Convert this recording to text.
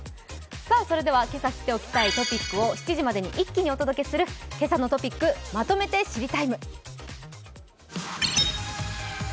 それでは今朝知っておきたいトピックを７時までに一気にお届けする「けさのトピックまとめて知りＴＩＭＥ，」。